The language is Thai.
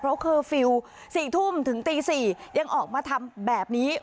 เพราะเคอร์ฟิลล์๔ทุ่มถึงตี๔ยังออกมาทำแบบนี้